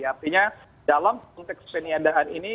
artinya dalam konteks peniadaan ini